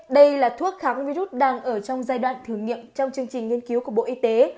đây là thuốc kháng virus đang ở trong giai đoạn thử nghiệm trong chương trình nghiên cứu của bộ y tế